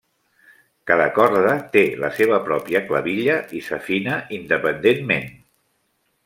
Cada corda té la seva pròpia clavilla i s'afina independentment.